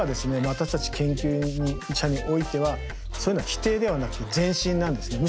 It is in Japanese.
私たち研究者においてはそういうのは否定ではなくて前進なんですね。